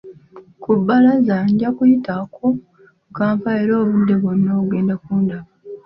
Ku bbalaza nja kuyitako mu Kampala era obudde bwonna ogenda kundaba.